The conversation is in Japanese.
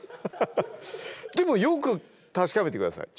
でもよく確かめて下さい。